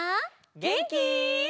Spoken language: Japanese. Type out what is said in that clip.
げんき？